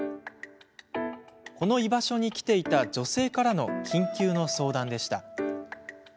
この居場所に来ていた女性からの緊急の相談でした。